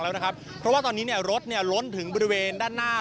เพราะว่าตอนนี้รถรถถึงบริเวณด้านหน้า